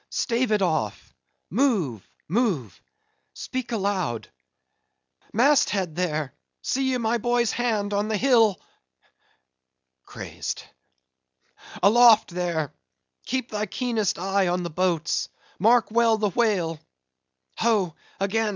—stave it off—move, move! speak aloud!—Mast head there! See ye my boy's hand on the hill?—Crazed;—aloft there!—keep thy keenest eye upon the boats:—mark well the whale!—Ho! again!